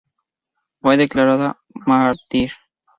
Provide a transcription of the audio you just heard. Fue declarada mártir.